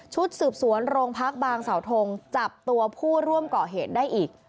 ชุดสืบสวนโรงพักบางสาวทงจับตัวผู้ร่วมก่อเหตุได้อีก